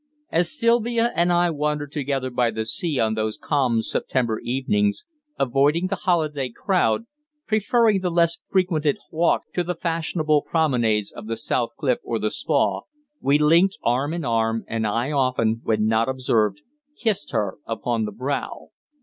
As Sylvia and I wandered together by the sea on those calm September evenings, avoiding the holiday crowd, preferring the less frequented walks to the fashionable promenades of the South Cliff or the Spa, we linked arm in arm, and I often, when not observed, kissed her upon the brow.